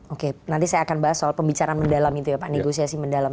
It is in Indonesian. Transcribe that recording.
oke nanti saya akan bahas soal pembicaraan mendalam itu ya pak negosiasi mendalam